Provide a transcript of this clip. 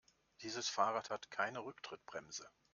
Dieses Fahrrad hat keine Rücktrittbremse.